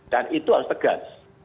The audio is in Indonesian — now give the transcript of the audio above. dan itu harus tegas